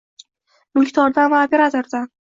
mulkdordan va operatordan